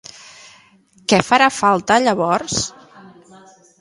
Què farà falta llavors?